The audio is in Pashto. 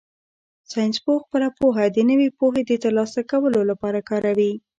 ساینسپوه خپله پوهه د نوې پوهې د ترلاسه کولو لپاره کاروي.